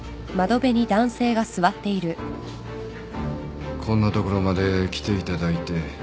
こんな所まで来ていただいてすみません。